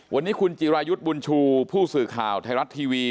วันนี้คุณจิรายุทธ์บุญชูผู้สื่อข่าวไทยรัฐทีวี